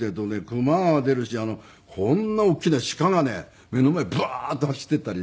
熊は出るしこんな大きな鹿がね目の前ブワーッと走っていったりね。